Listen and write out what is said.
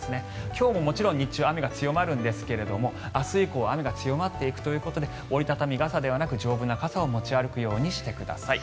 今日ももちろん日中は雨が強まるんですが明日以降雨が強まっていくということで折り畳み傘ではなく丈夫な傘を持ち歩くようにしてください。